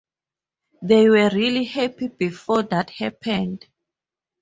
They were really happy before that happened.